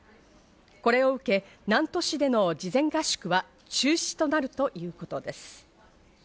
これを受け、南砺市での事前合宿は中止となるということです。